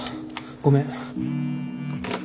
ごめん。